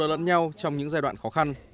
giúp đỡ lẫn nhau trong những giai đoạn khó khăn